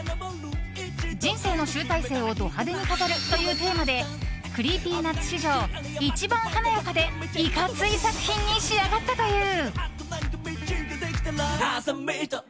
人生の集大成をド派手に飾るというテーマでＣｒｅｅｐｙＮｕｔｓ史上一番華やかで、いかつい作品に仕上がったという。